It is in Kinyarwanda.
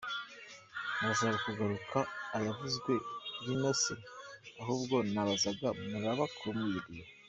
Murashaka kugaruza ayaguzwe Rhino se? Ahubwo nabazaga murabakumiriye.